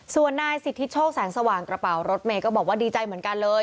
ส่วนนายสิทธิโชคแสงสว่างกระเป๋ารถเมย์ก็บอกว่าดีใจเหมือนกันเลย